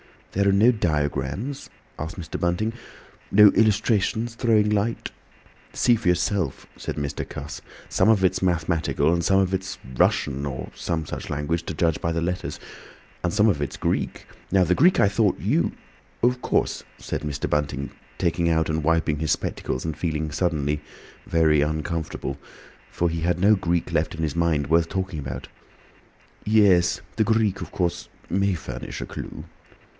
"There are no diagrams?" asked Mr. Bunting. "No illustrations throwing light—" "See for yourself," said Mr. Cuss. "Some of it's mathematical and some of it's Russian or some such language (to judge by the letters), and some of it's Greek. Now the Greek I thought you—" "Of course," said Mr. Bunting, taking out and wiping his spectacles and feeling suddenly very uncomfortable—for he had no Greek left in his mind worth talking about; "yes—the Greek, of course, may furnish a clue."